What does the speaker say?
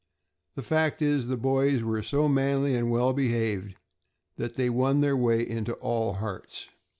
The fact is, the boys were so manly and well behaved that they won their way into all hearts.